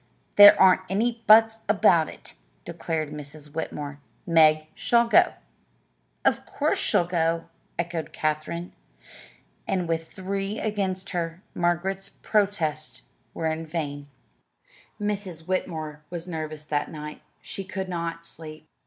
"There aren't any 'buts' about it," declared Mrs. Whitmore. "Meg shall go." "Of course she'll go!" echoed Katherine. And with three against her, Margaret's protests were in vain. Mrs. Whitmore was nervous that night. She could not sleep.